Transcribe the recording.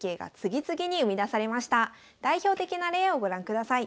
代表的な例をご覧ください。